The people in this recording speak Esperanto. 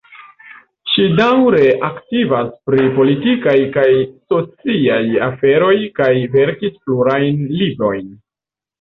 Ŝi daŭre aktivas pri politikaj kaj sociaj aferoj kaj verkis plurajn librojn.